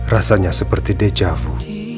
rasanya seperti dejavu